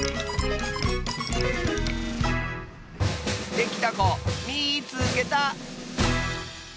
できたこみいつけた！